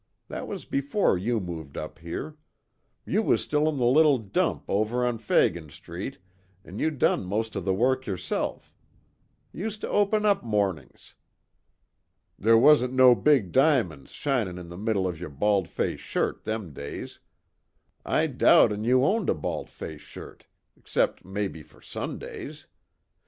That was before you moved up here. You was still in the little dump over on Fagin street an' you done most of the work yerself used to open up mornings. There wasn't no big diamon's shinin' in the middle of yer bald face shirt them days I doubt an' you owned a bald face shirt, except, maybe, for Sundays.